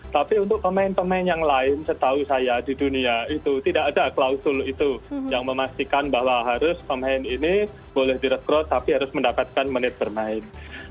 tapi untuk pemain pemain yang lain setahu saya di dunia itu tidak ada klausul itu yang memastikan bahwa harus pemain ini boleh direkrut tapi harus mendapatkan menit bermain